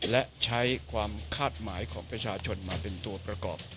และใช้ความคาดหมายของประชาชนมาเป็นตัวประกอบ